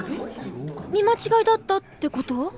見間違いだったって事？